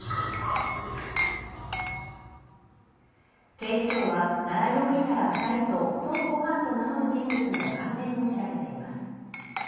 警視庁は奈良容疑者ら２人と、孫悟飯と名乗る人物の関連を調べています。